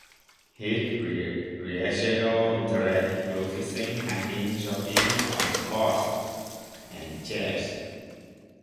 His recreational interests include fishing, hiking, jogging, all sports, and chess.